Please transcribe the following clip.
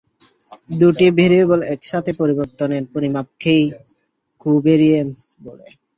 দুটি ভ্যারিয়েবলের একসাথে পরিবর্তনের পরিমাপকেই কোভ্যারিয়্যান্স বলে।